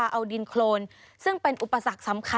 สวัสดีค่ะสวัสดีค่ะ